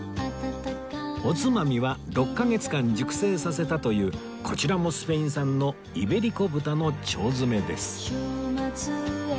おつまみは６カ月間熟成させたというこちらもスペイン産のイベリコ豚の腸詰めです